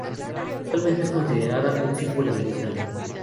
Actualmente es considerada un símbolo del Islam.